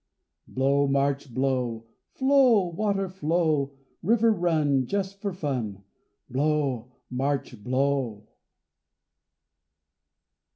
Blow, March, blow! Flow, water, flow! River, run, Just for fun, Blow, March, blow!